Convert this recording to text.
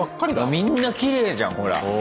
みんなきれいじゃんほら。